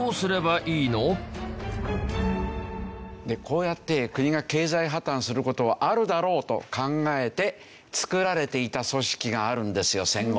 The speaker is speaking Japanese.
こうやって国が経済破綻する事はあるだろうと考えて作られていた組織があるんですよ戦後。